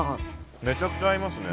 めちゃくちゃ合いますね。